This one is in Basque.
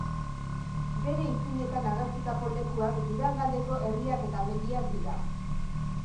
Bere ipuinetan agertutako lekuak Durangaldeko herriak eta mendiak dira.